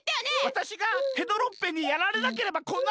わたしがヘドロッペンにやられなければこんなことには。